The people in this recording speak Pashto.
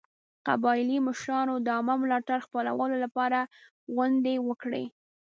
قبایلي مشرانو د عامه ملاتړ خپلولو لپاره غونډې وکړې.